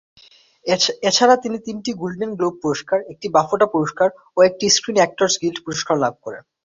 এছাড়া তিনি তিনটি গোল্ডেন গ্লোব পুরস্কার, একটি বাফটা পুরস্কার ও একটি স্ক্রিন অ্যাক্টরস গিল্ড পুরস্কার লাভ করেন।